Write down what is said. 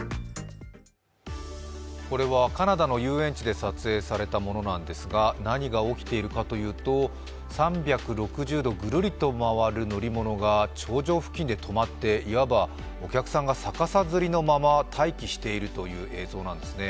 これはカナダの遊園地で撮影されたものなんですが何が起きているかというと、３６０度ぐるりと回る乗り物が頂上付近で止まって、いわばお客さんが逆さづりのまま待機しているという映像なんですね。